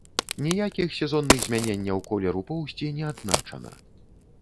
Ніякіх сезонных змяненняў колеру поўсці не адзначана.